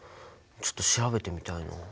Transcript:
ちょっと調べてみたいな。